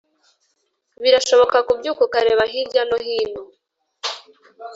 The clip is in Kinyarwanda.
birashoboka kubyuka ukareba hirya no hino